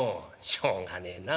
「しょうがねえな。